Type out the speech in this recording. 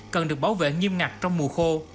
cần được bảo vệ nghiêm ngặt trong mùa khô